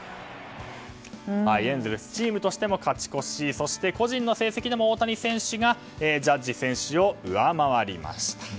エンゼルスチームとしても勝ち越しそして個人の成績でも大谷選手がジャッジ選手を上回りました。